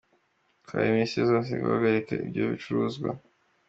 Twasabye Minisiteri zose guhagarika ibyo bicuruzwa”.